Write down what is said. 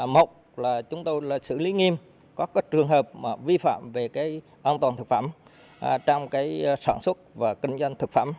một là chúng tôi xử lý nghiêm các trường hợp vi phạm về an toàn thực phẩm trong sản xuất và kinh doanh thực phẩm